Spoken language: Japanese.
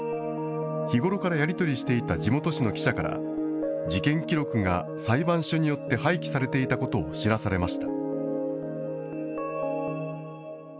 日頃からやり取りしていた地元紙の記者から、事件記録が裁判所によって廃棄されていたことを知らされました。